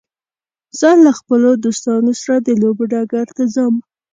زه له خپلو دوستانو سره د لوبو ډګر ته ځم.